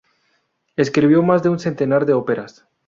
Escribió más de un centenar de óperas.